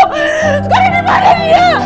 sekalian dimana dia